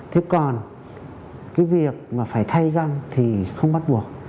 thế còn cái việc mà phải thay ra thì không bắt buộc